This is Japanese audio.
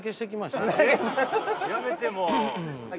やめてもう。